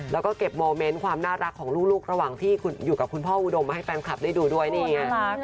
แล้วก็เก็บโมเมนต์ความน่ารักของลูกระหว่างที่อยู่กับคุณพ่ออุดมมาให้แฟนคลับได้ดูด้วยนี่ไง